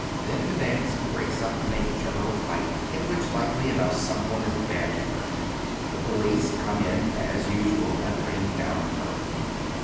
Then the dance breaks up in a general fight, in which, likely enough, someone is badly hurt. The police come in, as usual, and ring down the curtain.